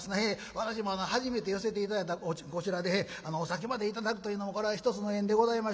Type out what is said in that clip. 私も初めて寄せていただいたこちらでお酒までいただくというのもこれは一つの縁でございまして」。